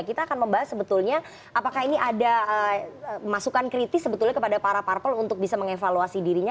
kita akan membahas sebetulnya apakah ini ada masukan kritis sebetulnya kepada para parpol untuk bisa mengevaluasi dirinya